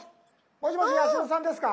もしもし八代さんですか？